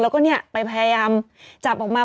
แล้วก็เนี่ยไปพยายามจับออกมา